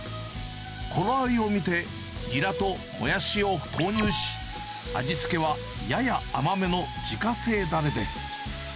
頃合いを見て、ニラとモヤシを投入し、味付けは、やや甘めの自家製だれで。